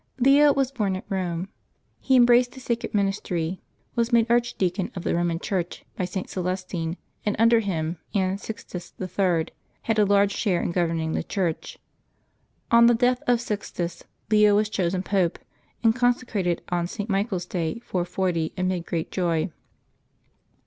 HEO was born at Eome. He embraced the sacred min istry, was made archdeacon of the Eoman Church by St. Celestine, and under him and Sixtus III. had a large share in governing the Church. On the death of Sixtus, Leo was chosen Pope, and consecrated on St. Michael's day, 440, amid great joy.